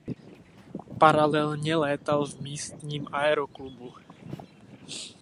Paralelně létal v místním aeroklubu.